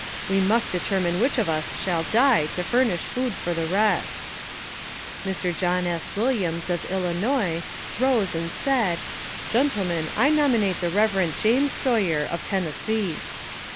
We must deter mine which of us shall die to furnish food for the rest." Mr. John S. Williams, of Illinois, rose and said, "Gentlemen, I nominate the Reverend Jas. Sawyer, of Tennessee."